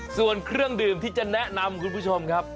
ส่วนเครื่องดื่มที่จะแนะนำคุณผู้ชมครับ